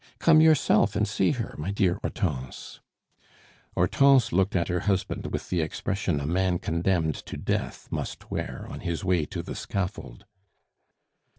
Come yourself and see her, my dear Hortense." Hortense looked at her husband with the expression a man condemned to death must wear on his way to the scaffold.